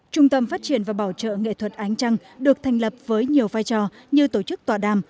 trung tâm phát triển và bảo trợ nghệ thuật ánh trăng được thành lập với nhiều vai trò như tổ chức tòa đàm